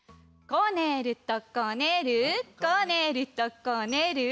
こねるとこねるこねるとこねる。